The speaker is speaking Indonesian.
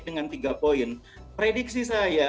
dengan tiga poin prediksi saya